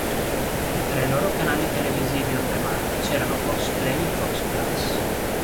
Tra i loro canali televisivi on demand c'erano Fox Play e Fox Plus.